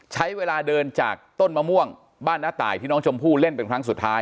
ใช้เวลาเดินจากต้นมะม่วงบ้านน้าตายที่น้องชมพู่เล่นเป็นครั้งสุดท้าย